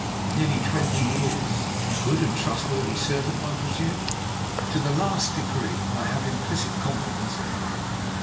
"Nearly twenty years." "A good and trustworthy servant, I presume?" "To the last degree. I have implicit confidence in him."